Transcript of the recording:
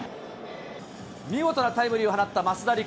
見事なタイムリーを放った増田陸。